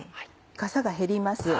かさが減ります。